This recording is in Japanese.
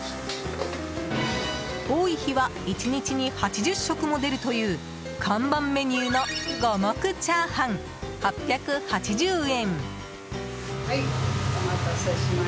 多い日は１日に８０食も出るという看板メニューの五目炒飯８８０円。